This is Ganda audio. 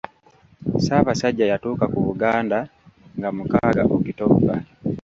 Ssaabasajja yatuuka ku Buganda nga mukaaga October.